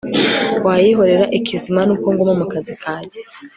wayihorera ikizima nuko nguma mukazi kajye